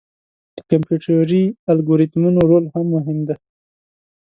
د کمپیوټري الګوریتمونو رول هم مهم دی.